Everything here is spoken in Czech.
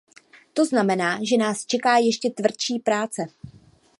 To znamená, že nás čeká ještě tvrdší práce.